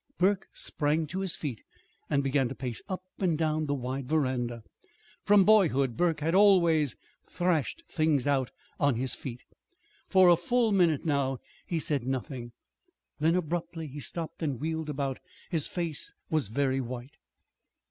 Burke sprang to his feet and began to pace up and down the wide veranda. (From boyhood Burke had always "thrashed things out" on his feet.) For a full minute now he said nothing. Then, abruptly, he stopped and wheeled about. His face was very white.